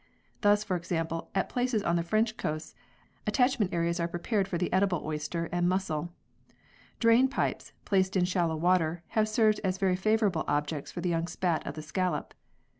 Thus, for example, at places, on the French coasts, attachment areas are prepared for the edible oyster and mussel. Drain pipes, placed in shallow water, have served as very favourable objects for the young spat of the scallop.